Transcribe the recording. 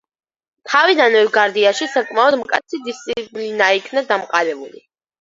თავიდანვე გვარდიაში საკმაოდ მკაცრი დისციპლინა იქნა დამყარებული.